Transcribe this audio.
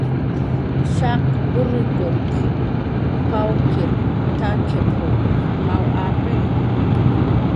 "Shaq wurrikunq pawykir t""akip naw apawi."